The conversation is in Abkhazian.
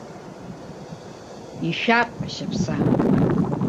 Ишәап ашьаԥса!